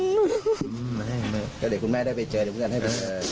เดี๋ยวเดี๋ยวคุณแม่ได้ไปเจอเดี๋ยวพุทธการณ์ให้ไปเจอ